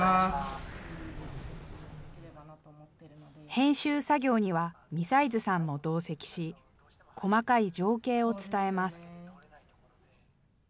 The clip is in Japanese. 編集作業には美齊津さんも同席し細かい情景を伝えます。